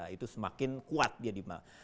itu semakin kuat dia dimak